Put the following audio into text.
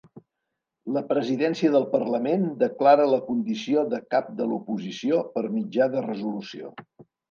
La presidència del Parlament declara la condició de cap de l'oposició per mitjà de resolució.